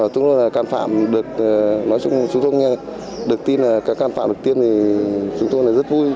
chúng tôi là căn phạm được nói chung chúng tôi nghe được tin là các căn phạm được tiêm thì chúng tôi là rất vui